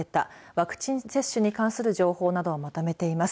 ワクチン接種に関する情報などをまとめています。